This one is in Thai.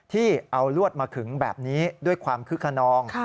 ที่เอาลวดมาขึงแบบนี้ด้วยความคึกขนอง